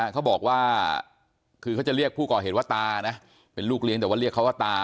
เขาบอกว่าคือเขาจะเรียกผู้ก่อเหตุว่าตานะเป็นลูกเลี้ยงแต่ว่าเรียกเขาว่าตา